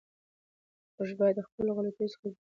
موږ باید د خپلو غلطیو څخه زده کړه وکړو.